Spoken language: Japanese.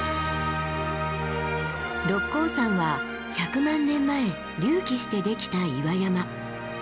六甲山は１００万年前隆起してできた岩山。